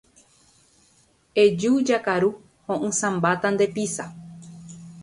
Eju jakaru. Ho’ysãmbáta nde pizza.